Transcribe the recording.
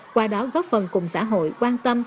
qua đó góp phần cùng xã hội quan tâm